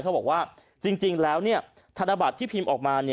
เขาบอกว่าจริงแล้วธนบัตรที่พิมพ์ออกมา